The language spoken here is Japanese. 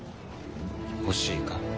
欲しいか？